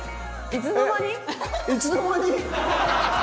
いつの間に？